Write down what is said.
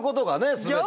全て。